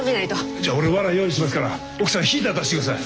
じゃあ俺わら用意しますから奥さんヒーター出してください。